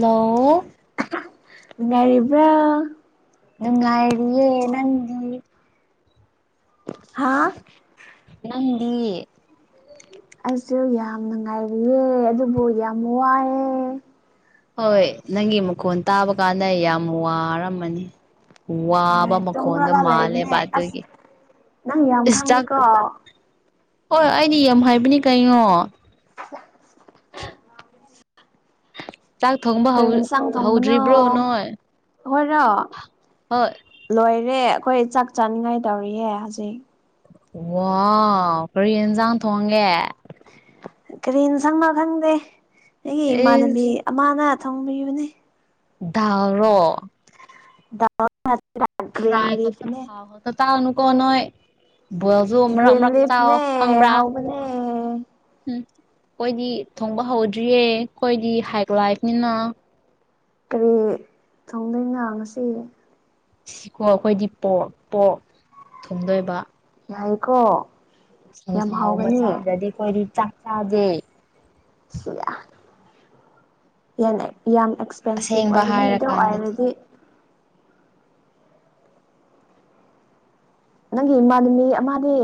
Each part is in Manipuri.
ꯍꯂꯣ ꯉꯔꯤꯕ꯭ꯔꯥ ꯅꯨꯡꯉꯥꯏꯔꯤꯦ ꯅꯟ ꯍꯥꯥ ꯃꯤ ꯑꯩꯁꯨ ꯌꯥꯝꯅ ꯉꯥꯏꯔꯤꯑꯦ ꯑꯗꯨꯕꯨ ꯌꯥꯝ ꯋꯥꯏꯑꯦ ꯍꯣꯏ ꯅꯪꯒꯤ ꯃꯈꯣꯟ ꯇꯥꯕ ꯀꯥꯟꯗ ꯌꯥꯝ ꯋꯥꯔꯝꯃꯅꯤ ꯋꯥꯕ ꯍꯣꯏ ꯃꯈꯣꯟꯗꯣ ꯇꯨꯝꯔꯒ ꯃꯥꯜꯂꯦꯕ ꯂꯩꯕꯅꯦ ꯑꯗꯨꯒꯤ ꯑꯁ ꯅꯪ ꯌꯥꯝ ꯏꯁ ꯆꯥꯛ ꯈꯥꯡꯪꯉꯦꯀꯣ ꯍꯣꯏ ꯑꯩꯗꯤ ꯌꯥꯝ ꯍꯥꯏꯕꯅꯤ ꯀꯩꯅꯣ ꯆꯥꯛ ꯊꯣꯡꯕ ꯀ ꯍꯧ ꯆꯥꯡ ꯊꯣꯡꯕꯅ ꯍꯧꯗ꯭ꯔꯤꯕ꯭ꯔꯣ ꯅꯣꯏ ꯍꯣꯏꯔꯣ ꯍꯣꯏ ꯂꯣꯏꯔꯦ ꯑꯩꯈꯣꯏ ꯆꯥꯛ ꯆꯥꯅꯤꯡꯉꯥꯏ ꯇꯧꯔꯤꯌꯦ ꯍꯧꯖꯤꯛ ꯋꯥ ꯀꯔꯤ ꯏꯟꯁꯥꯡ ꯊꯣꯡꯒꯦ ꯀꯔꯤꯅ ꯁꯪꯕ ꯈꯪꯗꯦ ꯑꯩꯒꯤ ꯏꯃꯥꯟꯅꯕꯤ ꯏꯁ ꯑꯃꯅ ꯊꯪꯕꯤꯕꯅꯦ ꯔꯣ [inaudible] ꯒ꯭ꯔꯤꯟ ꯥꯏ ꯈ ꯊ ꯂꯤꯐꯅꯦ ꯍꯗ ꯇꯅꯨꯀꯣ ꯅꯣꯏ ꯁꯨ ꯃꯔꯛ ꯒ꯭ꯔꯤꯟ ꯃꯔꯛ ꯆꯥꯑꯣ ꯂꯤꯐꯅꯦ ꯈꯪꯕ꯭ꯔꯥ ꯎ ꯍꯥꯎꯕꯅꯦ ꯑꯩꯈꯣꯏꯗꯤ ꯊꯣꯡꯕ ꯍꯧꯗ꯭ꯔꯤꯌꯦ ꯑꯩꯣꯏꯗꯤ ꯍꯥꯏꯒ ꯂꯥꯛꯕꯅꯤꯅ ꯀꯔꯤ ꯊꯣꯡꯗꯣꯏ ꯉꯥꯡꯁꯤ ꯁꯤꯀꯣ ꯑꯩꯈꯣꯏꯗꯤ ꯄ ꯄꯣꯛ ꯊꯨꯡꯗꯣꯏꯕ ꯍꯥꯏꯀꯣ ꯁꯟꯁꯥꯎ ꯃꯆꯥꯥꯗ꯭ꯔꯗꯤ ꯀꯣꯏꯔꯤ ꯆꯥꯛ ꯆꯥꯗꯦ ꯁꯤ ꯌꯦꯟꯅ ꯌꯥꯝ ꯑꯦꯛꯁꯄꯦꯟꯁꯤꯞ ꯑꯁꯦꯡꯕ ꯑꯣꯏꯒꯅꯤ ꯑꯗꯨ ꯍꯥꯏꯔꯀꯥꯟꯗꯗꯤ ꯑꯣꯏꯔꯗꯤ ꯅꯪꯒꯤ ꯏꯃꯥꯅꯤꯃꯤ ꯑꯃꯅꯤ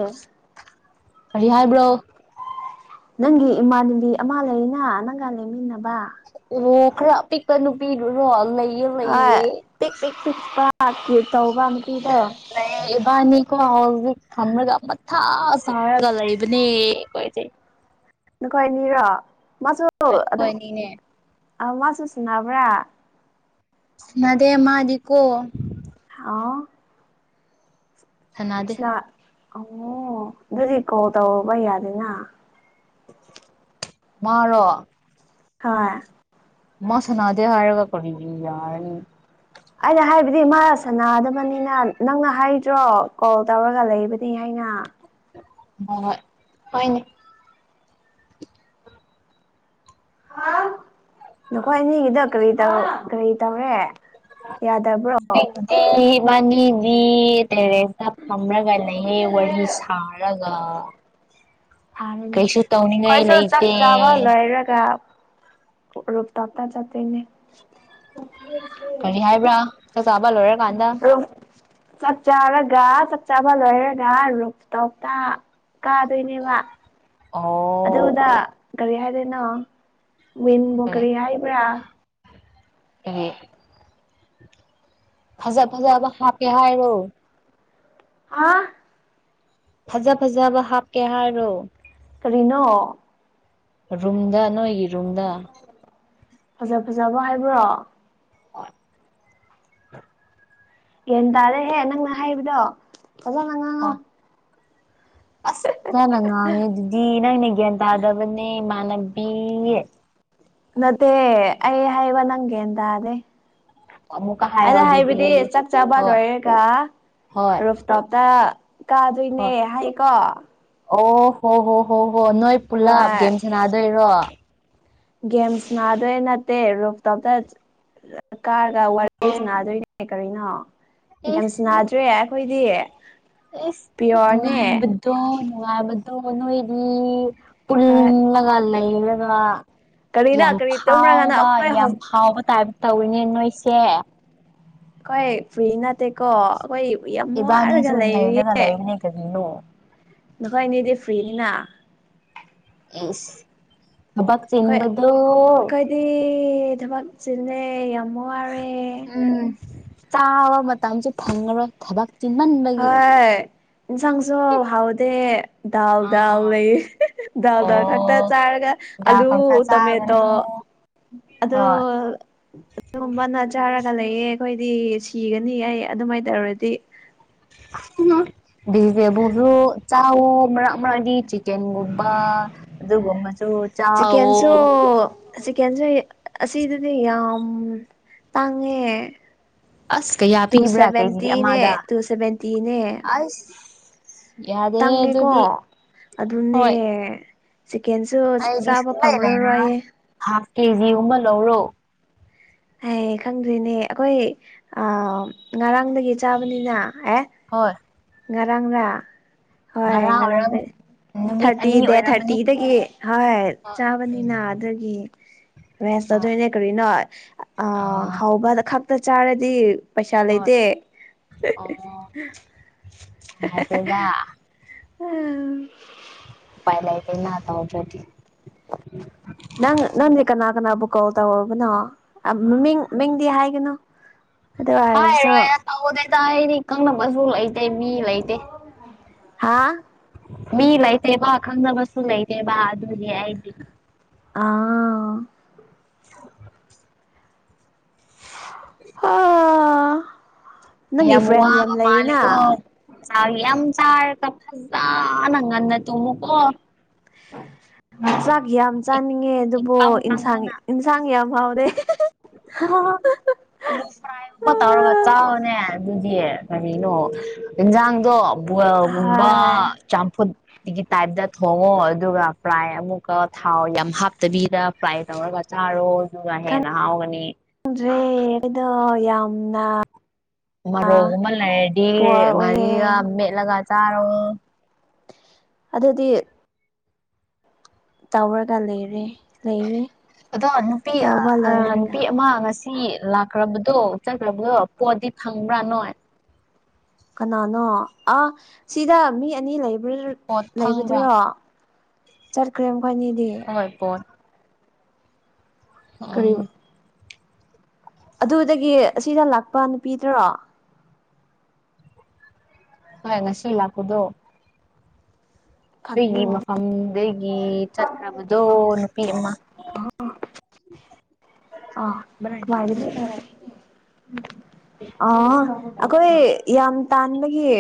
ꯑꯔꯤ ꯍꯥꯏꯕ꯭ꯔꯣ ꯅꯪꯒꯤ ꯏꯃꯥꯟꯅꯕꯤ ꯑꯃ ꯂꯩꯅ ꯅꯪꯒ ꯂꯩꯃꯤꯟꯅꯕ ꯑꯣꯣ ꯈꯔ ꯑ ꯄꯄꯤꯛꯄ ꯅꯨꯄꯤꯗꯨꯨꯔꯣꯜ ꯂꯩ ꯑ ꯄꯤꯛ ꯄꯤꯛ ꯇꯤꯄ ꯇꯧꯕ ꯅꯨꯄꯤꯗꯣ ꯕ ꯑꯅꯤꯀ ꯍ ꯊꯝꯂꯒ ꯃꯊꯥ ꯁꯔꯒ ꯂꯩꯕꯅꯦ ꯀꯣꯏꯁꯦ ꯅꯈꯥꯏꯅꯤꯔꯥ ꯃꯥꯁꯨ ꯍꯣꯏ ꯑꯗꯨꯝ ꯍꯣꯏꯅꯤꯅꯦ ꯑ ꯃꯥꯁꯨꯨꯁ ꯅꯥꯕ꯭ꯔꯥ ꯅꯗꯦ ꯃꯥꯗꯤꯀꯣ ꯑꯥ ꯁꯥꯟꯅꯗꯦ ꯑꯣ ꯑꯗꯨꯗꯤ ꯀꯣꯜ ꯇꯧꯔꯨꯕ ꯌꯥꯗꯦꯅ ꯃꯥꯔꯣ ꯍꯥꯥ ꯃꯃ ꯁꯅꯗꯦ ꯍꯥꯔꯒ ꯀ ꯌꯥꯔ ꯑꯩꯅ ꯍꯥꯏꯕꯗꯤ ꯃꯥ ꯁꯅꯗꯕꯅꯤꯅ ꯅꯪꯅ ꯍꯥꯏꯗ꯭ꯔꯣ ꯀꯣꯜ ꯇꯧꯔꯒ ꯂꯩꯕꯅꯤ ꯍꯥꯏ ꯑ ꯍꯣꯏ ꯍꯣꯏꯅꯦ ꯅꯈꯣꯏ ꯑꯅꯤꯒꯤꯗꯣ ꯀꯔꯤ ꯇꯧ ꯀꯔꯤ ꯇꯧꯔꯦ ꯌꯥꯗꯕ꯭ꯔꯣ [unintelligible] ꯃꯥꯅꯤꯗꯤ ꯇꯦꯔꯦꯁꯇ ꯐꯝꯔꯒ ꯂꯩꯌꯦꯦ ꯋꯥꯔꯤ ꯁꯥꯔꯒ ꯔ ꯀꯩꯁꯨ ꯇꯧꯅꯤꯡꯉꯥꯏ ꯀꯩꯁꯨꯣ ꯆꯥꯛ ꯂꯩꯇꯦ ꯆꯥꯕ ꯂꯔꯔꯦꯒ ꯔꯣꯕ ꯇꯥꯛ ꯇ ꯆꯇꯅꯦ ꯀꯔꯤ ꯍꯥꯏꯕ꯭ꯔꯥ ꯆ ꯆꯥꯕ ꯂꯣꯏꯔ [inaudible] ꯆꯞ ꯆꯥꯕꯂ ꯆꯞ ꯆꯥꯕ ꯂꯔꯒ ꯔꯣ ꯇꯇꯥ ꯀꯥꯗꯣꯏꯅꯦꯕ ꯑꯣ ꯑꯗꯨꯗ ꯀꯔꯤ ꯍꯥꯏꯗꯣꯏꯅꯣ ꯋꯤꯟꯕꯣ ꯀꯔꯤ ꯍꯥꯏꯕ꯭ꯔꯥ ꯑ ꯐꯖ ꯐꯖꯕ ꯍꯥꯞꯀꯦ ꯍꯥꯏꯔꯣ ꯑꯥ ꯐꯖ ꯐꯖꯕ ꯍꯥꯞꯀꯦ ꯍꯥꯏꯔꯣ ꯀꯔꯤꯅꯣ ꯔꯨꯝꯗꯥ ꯅꯣꯏ ꯔꯨꯝꯗꯥ ꯐꯖ ꯐꯖꯕ ꯍꯥꯏꯕ꯭ꯔꯣ ꯑꯣ ꯒꯟ ꯇꯥꯔꯦꯍꯦ ꯅꯪꯅ ꯍꯥꯏꯕꯗꯣ ꯐꯖꯅ ꯉꯥꯡꯉꯣ ꯍꯣꯏ ꯑꯁ ꯐꯖꯅ ꯉꯥꯡꯉꯦ ꯑꯗꯨꯗꯤ ꯅꯪꯅꯦ ꯒ꯭ꯌꯥꯟ ꯇꯥꯗꯕꯅꯦ ꯃꯅꯕꯤꯦ ꯅꯠꯇꯦ ꯑ ꯍꯥꯏꯩꯋꯥ ꯅꯪꯦꯗ ꯑꯗꯦ ꯑꯃꯨꯛꯀ ꯍꯥꯏꯌꯣ ꯑꯗ ꯑꯗꯨꯗꯤ ꯍꯥꯏꯕꯗꯤ ꯆꯥꯛ ꯆꯥꯕ ꯍꯣꯏ ꯂꯣꯏꯔꯦꯒ ꯍꯣꯏ ꯔꯣꯐꯇꯣꯞꯇ ꯀꯥꯗꯣꯏꯅꯦ ꯍꯣꯏ ꯍꯥꯏꯌꯦꯀꯣ ꯑꯣ ꯍꯣ ꯍꯣ ꯍꯣ ꯍꯣ ꯅꯣꯏ ꯄꯨꯂꯞ ꯒꯦꯝ ꯁꯥꯟꯅꯥꯗꯣꯏꯔꯣ ꯒꯦꯝꯁ ꯅꯥꯗꯣꯏ ꯅꯠꯇꯦ ꯔꯣꯞꯇꯣꯞꯇ ꯀꯥꯔꯒ ꯋꯥꯔꯤ ꯅꯥꯗꯣꯏꯅꯦ ꯀꯔꯤꯅꯣ ꯏꯁ ꯌꯥꯝꯁꯨ ꯅꯥꯗ꯭ꯔꯦ ꯑꯩꯈꯣꯏꯗꯤ ꯏꯁ ꯄꯤꯌꯣꯔꯅꯦ ꯅꯨꯡꯉꯥꯏꯣ ꯅꯨꯡꯉꯥꯏꯣ ꯅꯅꯨꯡꯣꯏꯔꯤ ꯍꯣꯏ ꯄꯨꯜꯂꯒ ꯂꯩꯂꯒ ꯀꯔꯤꯅ ꯌꯥꯝ ꯀꯔꯤ ꯇꯨꯝꯔꯒꯅ ꯐꯥꯎꯕ ꯑꯩꯈꯣꯏ ꯌꯥꯝ ꯐꯥꯎꯕ ꯇꯥꯏꯕ ꯇꯧꯋꯅꯦ ꯅꯣꯏꯁꯦ ꯑꯩꯣꯏ ꯐ꯭ꯔꯤ ꯅꯠꯇꯦꯀꯣ ꯑꯩꯈꯣꯏ ꯌꯥꯝ ꯋꯥꯔꯒ ꯏꯕꯥꯅꯤꯁꯨ ꯅꯩꯔꯒ ꯂꯩꯔꯤꯌꯦ ꯂꯩꯕꯅꯦ ꯀꯔꯤꯅꯣ ꯅꯉꯣꯏ ꯏꯅꯦꯗꯤ ꯐ꯭ꯔꯤꯅꯤꯅ ꯌꯦꯁ ꯊꯕꯥꯛ ꯆꯕꯗꯨꯣ ꯑꯦ ꯊꯃ ꯆꯅꯦ ꯑꯃ ꯑꯃꯔ ꯎꯝ ꯆꯥꯕ ꯃꯇꯝꯁꯨꯦ ꯐꯪꯉꯔꯣꯏ ꯊꯕꯛ ꯆꯤꯟꯃꯟꯕꯒꯤ ꯍꯣꯏ ꯏꯁꯪꯁꯨꯣ ꯍꯥꯎꯗꯦ ꯗꯥꯎ ꯗꯥꯎ ꯂꯩꯌꯦ ꯗꯥꯎ ꯗꯥꯎ ꯈꯛꯇ ꯑꯣ ꯆꯥꯔꯒ ꯍꯤꯗꯥꯛ ꯑꯂꯨ ꯈꯛꯇ ꯇꯣꯃꯦꯃꯦꯇꯣ ꯆꯥꯒꯅꯨ ꯑꯗꯣ ꯍꯣꯏ ꯇ ꯅꯖꯔ ꯒ ꯂꯩꯑꯦ ꯑꯩꯈꯣꯏꯗꯤ ꯁꯤꯒꯅꯤ ꯑꯩ ꯑꯗꯨꯃꯥꯏꯅ ꯇꯧꯔꯗꯤ ꯆꯥ ꯃꯔ ꯃꯗꯤ ꯆ ꯆꯤꯛꯀꯦꯟꯒꯨꯝꯕ ꯑꯗꯨꯒꯨꯝꯕꯁꯨ ꯆꯤꯀꯦꯟꯁꯨ ꯆꯥꯋ ꯆꯤꯀꯦꯟꯁꯨ ꯑꯁꯤꯗꯗꯤ ꯌꯥꯝ ꯇꯥꯡꯉꯦ ꯑꯁ ꯀꯌꯥ ꯇꯨ ꯄꯤꯕ꯭ꯔꯥ ꯀꯦꯖꯤ ꯁꯚꯦꯟꯇꯅꯦ ꯑꯃꯗ ꯇꯨ ꯁꯦꯚꯦꯟꯇꯅꯦ ꯌꯥꯔꯦ ꯑꯗꯨꯗꯤ ꯑꯗꯨꯅꯦ ꯍꯣꯏ ꯆꯤꯀꯦꯟꯁꯨ ꯑꯩꯗꯤ ꯆꯥꯕ ꯁꯨꯡꯂꯩ ꯂꯩꯔꯔꯣꯏ ꯐꯪꯔꯔꯣꯏꯌꯦ ꯍꯥꯐ ꯀꯦꯖꯤ ꯑꯃ ꯂꯧꯔꯣ ꯍꯌꯦ ꯈꯪꯗ꯭ꯔꯤꯅꯦ ꯑꯩꯈꯣꯏ ꯑ ꯉꯔꯥꯡꯗꯒꯤ ꯆꯥꯕꯅꯤꯅ ꯑꯦ ꯍꯣꯏ ꯉꯔꯥꯡꯗ ꯍꯣꯏ ꯉꯔꯥꯡ ꯉꯔꯥꯡꯗ ꯑꯣꯏꯔꯝꯅꯤ ꯅꯨꯃꯤꯠ ꯊꯥꯔꯇꯤ ꯑꯅꯤ ꯗꯦ ꯑꯣꯏꯔꯝꯃꯅꯤ ꯊꯥꯔꯇꯤꯗꯒꯤ ꯍ ꯍꯣꯏ ꯎꯝ ꯆꯥꯕꯅꯤꯅ ꯑꯗꯒꯤ ꯔꯦꯁꯇ ꯍꯣꯏ ꯑꯗꯨꯣꯏꯅꯦ ꯀꯔꯤꯅꯣ ꯑ ꯑꯥ ꯍꯥꯎꯧꯕ ꯈꯛꯇ ꯆꯥꯔꯗꯤ ꯄꯩꯁꯥ ꯍꯣꯏ ꯂꯩꯇꯦ ꯍꯥꯏ ꯇꯣꯏꯗ ꯎꯝ ꯄꯥꯏ ꯂꯩꯗꯅ ꯇ ꯑꯣꯖꯗꯤ ꯅꯪ ꯅꯪꯗꯤ ꯀꯅꯥ ꯀꯅꯥꯕꯨ ꯀꯣꯜ ꯇꯧꯔꯕꯅꯣ ꯃꯃꯤꯡ ꯃꯤꯡꯗꯤ ꯍꯥꯏꯒꯅꯨ ꯑꯗꯨ ꯑꯣꯏꯔꯁꯨ ꯇꯥꯏꯗꯤ ꯀꯪꯅꯕꯁꯨ ꯂꯩꯇꯦ ꯃꯤ ꯂꯩꯇꯦ ꯍꯥꯥ ꯃꯤ ꯂꯩꯇꯦ ꯕꯥ ꯈꯪꯅꯕꯁꯨ ꯂꯩꯇꯦꯕ ꯑꯗꯨꯗꯤ ꯍꯥꯏꯗꯤ ꯑꯥ [unintelligible] [inaudible] [inaudible] ꯅꯪꯒꯤ ꯐ꯭ꯔꯦꯟ ꯌꯥꯝ ꯂꯩꯔꯤꯅ ꯆ ꯌꯥꯝ ꯆꯥ ꯀ ꯐꯖꯥ ꯅꯪ ꯉꯟꯟꯅ ꯇꯨ ꯃꯨꯀꯣ ꯆꯥꯛꯁ ꯌꯥꯝ ꯆꯥꯅꯤꯡꯉꯦ ꯑꯗꯨꯕꯨ ꯏꯀꯪ ꯏꯟꯁꯥꯡ ꯀꯪꯗꯅ ꯏꯟꯁꯥꯡ ꯌꯥꯝ ꯍꯥꯎꯔꯦ ꯑꯂꯨ ꯐ꯭ꯔꯥꯏꯒꯨꯝꯕ ꯇꯧꯔꯒ ꯆꯥꯎꯅꯦ ꯑꯗꯨꯗꯤ ꯀꯔꯤꯅꯣ ꯏꯟꯖꯥꯡꯗꯣ ꯕꯜꯒꯨꯝꯕ ꯆꯥꯝꯐꯨꯠ ꯇꯒꯤ ꯇꯥꯏꯞꯇ ꯊꯣꯡꯉꯣ ꯑꯗꯨꯒ ꯐ꯭ꯔꯥꯏ ꯑꯃꯨꯛꯀ ꯊꯥꯎ ꯌꯥꯝ ꯍꯥꯞꯇꯕꯤꯗ ꯐ꯭ꯔꯥꯏ ꯇꯧꯔꯒ ꯆꯥꯔꯣ ꯑꯗꯨꯍꯦ ꯦꯗꯣ ꯌꯥꯝꯅ ꯃꯔꯣꯛꯒꯨꯝꯕ ꯂꯩꯔꯗꯤ ꯄꯣꯔ ꯑꯣꯏꯌꯦ ꯉꯘꯥꯔꯤꯒ ꯃꯦꯠꯂꯒ ꯆꯥꯔꯣ ꯑꯗꯨꯗꯤ ꯇꯧꯔꯒ ꯂꯩꯔꯦ ꯂꯩꯔꯦ ꯑꯗꯣ ꯅꯨꯄꯤ ꯑ ꯇꯧꯕ ꯂꯣꯏꯔꯒ ꯅꯨꯄꯤ ꯑꯃ ꯉꯁꯤ ꯁꯤ ꯂꯥꯛꯈ꯭ꯔꯕꯗꯣ ꯆꯠꯈ꯭ꯔꯕꯗꯣ ꯄꯣꯠꯗꯤ ꯐꯪꯕ꯭ꯔꯥ ꯅꯣꯏ ꯀꯅꯥꯅꯣ ꯑ ꯁꯤꯗ ꯃꯤ ꯑꯅꯤ ꯂꯩꯕ ꯄꯣꯠ ꯐꯪꯕ꯭ꯔꯥ ꯂꯩꯕꯗꯨꯔꯣ ꯆꯠꯈ꯭ꯔꯦ ꯈꯣꯏꯅꯤꯗꯤ ꯍꯣꯏ ꯀꯔꯤ ꯑꯥ ꯑꯗꯨꯗꯒꯤ ꯑꯁꯤꯗ ꯂꯥꯛꯄ ꯅꯨꯄꯤꯗ꯭ꯔꯣ ꯍ ꯉꯁ ꯂꯥꯛꯀꯗꯣ ꯈꯪꯗꯦ ꯑꯩꯒꯤ ꯃꯐꯝꯗꯒꯤ ꯆꯠꯈ꯭ꯔꯕꯗꯣ ꯅꯨꯄꯤ ꯑꯃ ꯑ ꯑ ꯑꯩꯈꯣꯏ ꯌꯥꯝ ꯇꯥꯟꯕꯒꯤ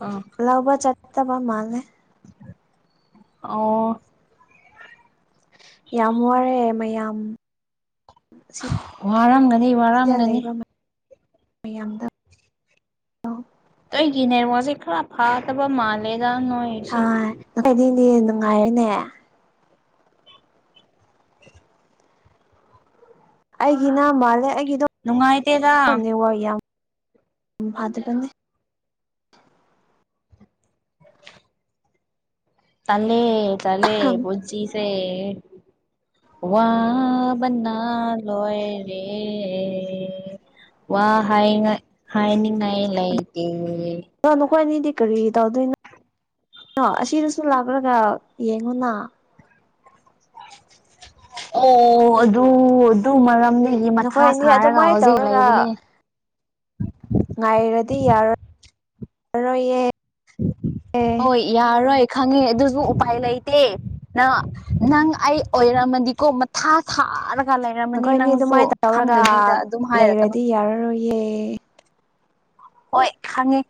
ꯑꯥ ꯂꯥꯎꯕ ꯆꯠꯠꯇꯕ ꯃꯥꯅꯦꯦ ꯑ ꯌꯥꯝ ꯋꯥꯔꯦ ꯃꯌꯥꯝ ꯁꯤꯗ ꯋꯥꯔꯝꯒꯅꯤ ꯋꯥꯔꯝꯒꯅꯤ ꯂꯩꯕ ꯃꯌꯥꯝꯗ ꯑꯩꯒꯤ ꯅꯦꯠꯋꯥꯛꯁꯦ ꯈꯔ ꯐꯥꯗꯕ ꯃꯥꯜꯂꯦ ꯑꯗꯤꯗꯤꯅꯨꯡꯉꯥꯏꯅꯦꯦ ꯑꯩꯒꯤꯅ ꯃꯥꯜꯂꯦ ꯑꯩꯒꯤꯗꯣ ꯅꯨꯡꯉꯥꯏꯇꯦꯗ ꯋꯥ ꯌꯥꯝ ꯎ ꯐꯥꯗ ꯀ ꯇꯅꯤ ꯇꯂ ꯄꯨꯣꯖꯤꯁꯦ ꯑ ꯋꯥ ꯅꯥ ꯂꯣꯏ ꯔꯦ ꯋꯥ ꯍꯥꯏ ꯍꯥꯏꯅꯤꯡ ꯂꯩꯥꯏ ꯑ ꯅꯈꯣꯏꯋꯥꯅꯤꯗꯤ ꯀꯔꯤ ꯇꯧꯗꯣꯏꯅꯣ ꯑ ꯑꯁꯤꯗꯁꯨ ꯂꯥꯛꯂꯒ ꯌꯦꯡꯉꯨꯅ ꯑꯣ ꯑꯗꯨ ꯑꯗꯨ ꯃꯔꯝꯗꯒꯤ ꯃꯊꯥ ꯅꯈꯣꯏ ꯑꯅꯤ ꯁꯥꯔꯒ ꯑꯗꯨꯃꯥꯏꯅ ꯍꯧꯖꯤꯛ ꯇꯧꯔꯒ ꯂꯩꯕꯅꯦ ꯑꯣ ꯏ ꯍ ꯏꯔꯣꯏ ꯈꯪꯉꯦ ꯑꯗꯨꯁꯨ ꯎꯄꯥꯏ ꯂꯩꯇꯦ ꯅ ꯅꯪ ꯑꯩ ꯑꯣꯏꯔꯝꯃꯗꯤꯀꯣ ꯃꯊꯥ ꯊꯔ ꯀ ꯂꯩꯔꯝꯃꯅꯤ ꯅꯈꯣꯏꯅꯤ ꯅꯪꯁꯨ ꯑꯗꯨꯃꯥꯏꯅ ꯇꯧꯔꯒ ꯈꯪꯗꯕꯤꯗ ꯑꯗꯨꯝ ꯍꯥꯏꯔꯛꯀꯅꯨ ꯂꯩꯔꯗꯤ ꯌꯥꯔꯔꯣꯏꯌꯦ ꯍꯣꯏ ꯈꯪꯉꯦ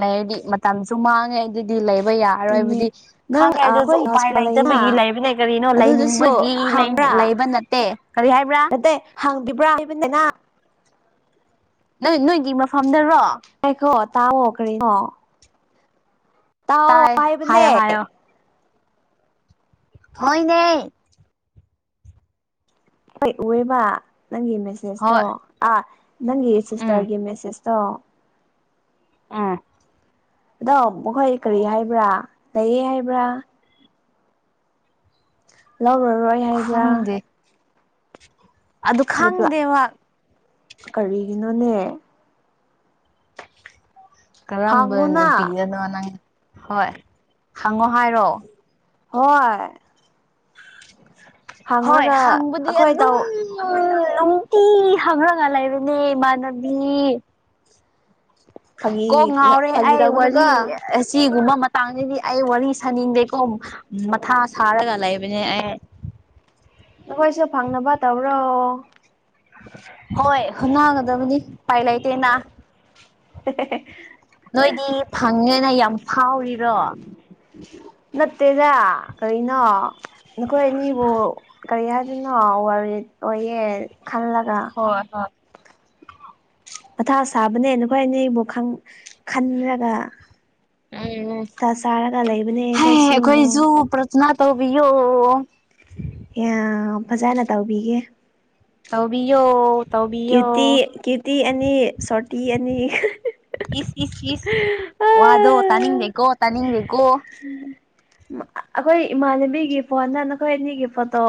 ꯂꯩꯔꯗꯤ ꯃꯇꯝꯁꯨ ꯃꯥꯡꯉꯦ ꯑꯗꯨꯗꯤ ꯂꯩ ꯑꯗꯨꯅꯦ ꯌꯥꯔꯣꯏꯕꯗꯤ ꯅꯪ ꯈꯪꯉꯦ ꯑꯗꯨꯁꯨ ꯑꯩꯈꯣꯏ ꯎꯄꯥꯏ ꯍꯣꯁꯄꯤꯇꯥꯜ ꯂꯩꯇꯕꯒꯤ ꯂꯩꯅ ꯂꯩꯕꯅꯦ ꯀꯔꯤꯅꯣ ꯑꯗꯨꯗꯁꯨ ꯂꯩꯅꯤꯡꯕꯒꯤ ꯂꯩ ꯍꯥꯡꯕ꯭ꯔꯥ ꯂꯩꯕ ꯅꯠꯇꯦ ꯀꯔꯤ ꯍꯥꯏꯕ꯭ꯔꯥ ꯅꯠꯇꯦ ꯍꯪꯕꯤꯕ꯭ꯔꯥ ꯍꯥꯏꯕꯅꯤꯅ ꯅꯪ ꯏ ꯅꯣ ꯏ ꯏꯃ ꯑꯩꯣ ꯇꯑꯣꯈ ꯇꯥꯎꯑꯣ ꯇꯥꯏ ꯍꯥꯏꯕꯅꯦ ꯍꯥꯏꯌꯣ ꯍꯥꯏꯌꯣ ꯍꯣꯏꯅꯦ ꯍꯣꯏ ꯎꯑꯦꯕ ꯅꯪꯒꯤ ꯃꯦꯁꯦꯁꯇꯣ ꯍꯣꯏ ꯑꯥ ꯅꯪꯒꯤ ꯎꯝ ꯁꯤꯁꯇꯔꯒꯤ ꯃꯦꯁꯦꯁ ꯇ ꯑꯥ ꯑꯗꯣ ꯃꯈꯣꯏ ꯀꯔꯤ ꯍꯥꯏꯕ꯭ꯔꯥ ꯂꯩꯌꯦ ꯍꯥꯏꯕ꯭ꯔꯥ ꯂꯧꯔꯔꯣꯏ ꯍꯥꯏꯕ꯭ꯔꯥ ꯑꯗꯨꯗ ꯈꯪꯗꯦꯍ ꯅꯅꯦ ꯀꯔꯝꯕ ꯍꯪꯉꯨꯅ ꯅꯨꯄꯤꯅꯅꯣ ꯅꯪ ꯍꯣꯏ ꯍꯪꯉꯣ ꯍꯥꯏꯔꯣ ꯍꯣꯏꯣꯏ ꯍꯣꯏ ꯍꯕꯨꯗꯤ ꯑꯦ ꯑꯩꯈꯣꯏ ꯇꯧ ꯏ ꯍꯪ꯭ꯔ ꯉꯂ ꯂꯩꯕꯅꯦꯃꯅꯕꯤ ꯐꯥꯒꯤ ꯀꯣ ꯉꯥꯎꯔꯦ ꯐꯥꯒꯤ ꯑꯩ ꯋꯥꯔꯤ ꯇꯧꯒꯅꯨꯀꯣ ꯑꯁꯤꯒꯨꯝꯕ ꯃꯇꯥꯡꯗꯗꯤ ꯑꯩ ꯋꯥꯔꯤ ꯁꯥꯅꯤꯡꯗꯦꯀꯣ ꯃꯊꯥ ꯁꯥꯔꯒ ꯂꯩꯕꯅꯦ ꯑꯩ ꯅꯈꯣꯏꯁꯨ ꯐꯪꯅꯕ ꯇꯧꯔꯣ ꯍꯣꯏ ꯍꯣꯠꯅꯒꯗꯕꯅꯤ ꯄꯥꯏ ꯂꯩꯇꯦꯅ [inaudible] ꯅꯣꯏꯗꯤ ꯐꯪꯉꯦꯅ ꯌꯥꯝ ꯐꯥꯎꯔꯤꯔꯣ ꯅꯠꯇꯦꯗ ꯀꯔꯤꯅꯣ ꯅꯈꯣꯏ ꯑꯅꯤꯕꯨ ꯀꯔꯤ ꯍꯥꯏ ꯑꯗꯨꯅꯣ ꯑꯣꯏꯌꯦ ꯈꯜꯂꯒ ꯍꯣꯏ ꯄꯊꯥ ꯁꯥꯕꯅꯦ ꯅꯈꯣꯏ ꯑꯅꯦ ꯑꯩꯕꯨ ꯈꯟꯔꯒ ꯃꯊꯥ ꯁꯥꯔꯒ ꯂꯩꯕꯅꯦ ꯎꯝ ꯑꯩꯈꯣꯏꯁꯨ ꯍꯈꯣꯏꯁꯨ ꯄꯊꯅꯥ ꯇꯧꯕꯌꯣ ꯑ ꯐꯖꯅ ꯇꯧꯕꯤꯒꯦ ꯑꯧꯕꯤꯌꯣ ꯀꯤꯔꯇꯤ ꯀꯤꯔꯇꯤ ꯑꯅꯤ ꯁꯇꯤ ꯑꯅꯤ ꯏꯁ ꯏꯁ ꯏꯁ ꯋꯥꯗꯣ ꯇꯥꯅꯤꯡꯗꯦꯀꯣ ꯇꯥꯅꯤꯡꯗꯦꯀꯣ ꯑꯩꯈꯣꯏ ꯏꯃꯥꯟꯅꯕꯤꯒꯤ ꯐꯣꯟꯗ ꯅꯈꯣꯏ ꯑꯅꯤꯒꯤ ꯐꯣꯇꯣ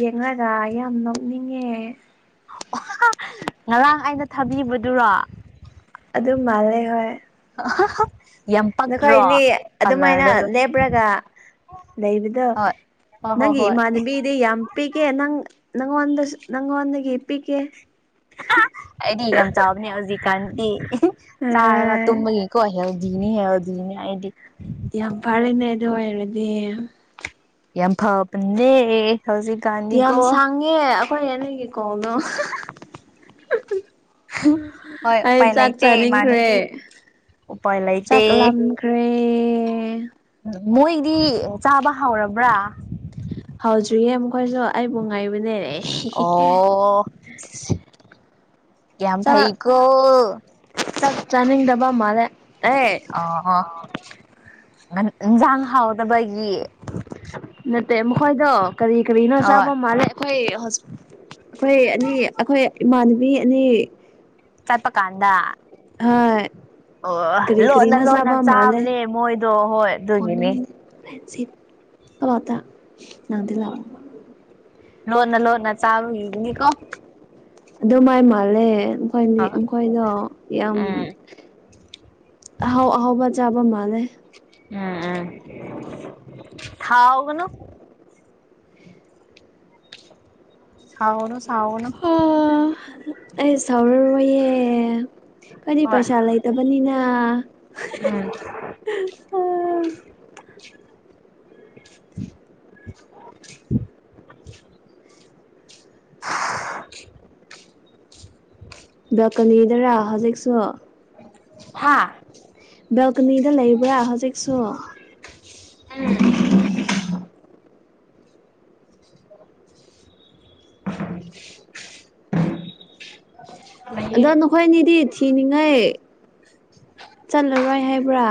ꯌꯦꯡꯉꯒ ꯌꯥꯝ ꯅꯣꯛꯅꯤꯡ ꯑ ꯉꯔꯥꯡ ꯑꯩꯅ ꯊꯥꯕꯤꯕꯗꯨꯔꯣ ꯑꯗꯨ ꯃꯜꯦ ꯍ ꯑ ꯅꯈꯣꯏ ꯏꯅꯤ ꯑꯗꯨꯃꯥꯏꯅ ꯂꯦꯞꯔꯒ ꯂꯩꯕꯗ ꯍꯣꯏ ꯍꯣꯏ ꯍꯣꯏ ꯅꯪꯒꯤ ꯍꯣꯏ ꯏꯃꯥꯟꯅꯕꯤꯗꯤ ꯌꯥꯝ ꯄꯤꯛꯒꯦ ꯅꯪ ꯅꯪꯣꯟꯗꯁꯨ ꯅꯪꯣꯟꯗꯗꯒꯤ ꯏꯞ ꯄ ꯀꯦ ꯑꯩꯗꯤ ꯌꯥꯝ ꯆꯥꯎꯕꯅꯦ ꯍꯧꯖꯤꯛꯀꯥꯟꯗꯤ ꯑ ꯆꯥꯔꯒ ꯇꯨꯝꯕꯒꯤ ꯀꯣ ꯅꯤ ꯍꯥꯏ ꯑꯗꯨꯅꯦꯗꯤ ꯌꯥꯝ ꯐꯥꯅꯦ ꯑꯗꯨ ꯑꯣꯏꯔꯗꯤ ꯌꯥꯝ ꯐꯥꯎ ꯄꯨꯟꯅꯦ ꯌꯥꯝ ꯁꯥꯡꯉꯦ ꯑꯩꯈꯣꯏ ꯑꯅꯤꯒꯤꯀꯣꯅꯣ ꯍꯣꯏ ꯑꯩ ꯎꯄꯥꯏ ꯆꯥꯛ ꯂꯩꯇꯦ ꯆꯥꯅꯤꯡꯈ꯭ꯔꯦ ꯏꯃꯥꯟꯅꯕꯤ ꯎꯄꯥꯏ ꯂꯩꯇꯦ ꯆꯥꯛꯂꯝꯈ꯭ꯔꯦ ꯃꯣꯏꯗꯤ ꯆꯥꯕ ꯍꯥꯎꯔꯕ꯭ꯔꯥ ꯍꯧꯗ꯭ꯔꯤꯌꯦ ꯃꯈꯣꯏꯁꯨ ꯑꯩꯕꯨ ꯉꯥꯏꯕꯅꯦꯔ ꯑꯣ ꯀꯌꯥꯝ ꯊꯩꯀꯣ ꯆꯅꯤꯡꯒꯤ ꯗꯕꯥ ꯃꯥꯂꯦ ꯑ ꯑꯣ ꯏꯟꯁꯥꯡ ꯍꯥꯎꯗꯕꯒꯤ ꯅꯠꯇꯦ ꯃꯈꯣꯏꯗꯣ ꯀꯔꯤ ꯀꯔꯤꯅꯣ ꯍꯣꯏ ꯆꯥꯕ ꯃꯥꯜꯂꯦ ꯑꯩꯈꯣꯏ ꯑꯩꯈꯣꯏ ꯑꯅꯤ ꯑꯩꯈꯣꯏ ꯏꯃꯥꯟꯅꯕꯤ ꯑꯅꯤ ꯁꯜꯄ ꯀꯥꯟꯗ ꯍꯥ ꯑꯣ ꯂꯣꯟꯅ ꯂꯣꯟꯅ ꯆꯥꯕꯅꯦ ꯃꯣꯏꯗꯣ ꯍꯣꯏ ꯑꯗꯨꯒꯤꯅꯤ ꯁꯤ ꯑꯠꯇ ꯉꯗ ꯂ ꯂꯣꯅ ꯂꯣꯅ ꯆꯥꯅꯤꯀꯣ ꯑꯗꯨꯗꯣ ꯃꯥꯏ ꯃꯥꯂꯦ ꯃꯈꯣꯏ ꯃꯈꯣꯏꯗꯣ ꯌꯥꯝ ꯎꯝ ꯑꯍꯥꯎ ꯑꯍꯥꯎꯕ ꯆꯥꯕ ꯑꯃ ꯑꯅꯦ ꯎꯝ ꯎꯝ ꯊꯥꯋꯥꯑꯣ ꯀꯩꯅꯣ ꯁꯥꯎꯅꯣ ꯁꯎꯅ ꯑꯣ ꯑꯩ ꯁꯥꯎꯔꯔꯣꯏꯌꯦ ꯀꯗꯤ ꯍꯣꯏ ꯄꯩꯁꯥ ꯂꯩꯇꯕꯅꯤꯅ ꯎꯝ [inaudible] [unintelligible] [unintelligible] ꯕꯦꯜꯀꯅꯤꯗꯔꯥ ꯍꯧꯖꯤꯛꯁꯨ ꯍꯥꯥ ꯕꯦꯜꯀꯅꯤꯗ ꯂꯩꯕ꯭ꯔꯥ ꯍꯧꯖꯤꯛꯁꯨ [inaudible] [inaudible] ꯑꯗꯣ ꯅꯈꯣꯏꯅꯤꯗꯤ ꯊꯤꯅꯤꯡꯉꯥꯏ ꯆꯠꯂꯔꯣꯏ ꯍꯥꯏꯕ꯭ꯔꯥ